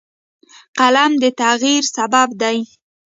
قلم د تغیر سبب دی